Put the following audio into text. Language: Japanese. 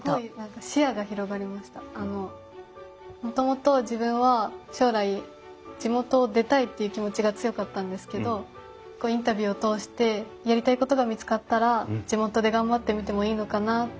すごいあのもともと自分は将来地元を出たいっていう気持ちが強かったんですけどインタビューを通してやりたいことが見つかったら地元で頑張ってみてもいいのかなっていうふうに。